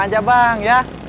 ke lima aja bang ya